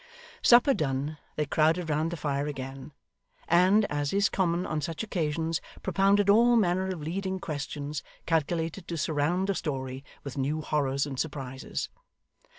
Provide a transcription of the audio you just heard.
Supper done, they crowded round the fire again, and, as is common on such occasions, propounded all manner of leading questions calculated to surround the story with new horrors and surprises.